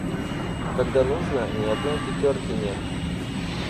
Когда нужно, ни одной пятёрки нет.